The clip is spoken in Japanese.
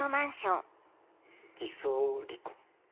偽装離婚？